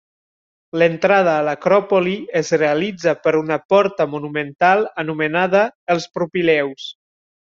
L'entrada a l'Acròpoli es realitza per una porta monumental anomenada els Propileus.